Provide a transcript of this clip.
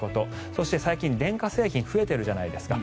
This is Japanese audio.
そして最近、電化製品増えてるじゃないですか。